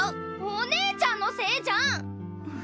お姉ちゃんのせいじゃん！